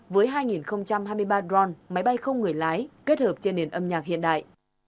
với hai hai mươi ba dron máy bay không người lái kết hợp trên nền âm nhạc hiện đại